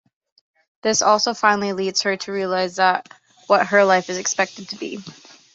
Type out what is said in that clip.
This also finally leads her to realise what her life is expected to be.